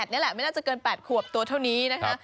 นี่แหละไม่น่าจะเกิน๘ขวบตัวเท่านี้นะคะ